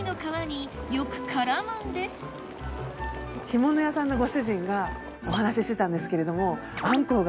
干物屋さんのご主人がお話ししてたんですけれども。